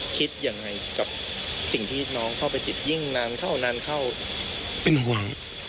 คิดยังไงกับสิ่งที่น้องเข้าไปติดยิ่งนานเข้านานเข้าเป็นห่วง